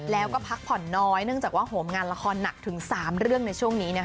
แล้วก็พักผ่อนน้อยเนื่องจากว่าโหมงานละครหนักถึง๓เรื่องในช่วงนี้